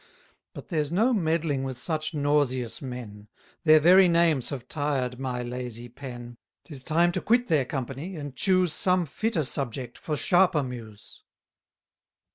But there's no meddling with such nauseous men; 80 Their very names have tired my lazy pen: 'Tis time to quit their company, and choose Some fitter subject for sharper muse.